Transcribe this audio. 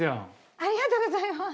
ありがとうございます。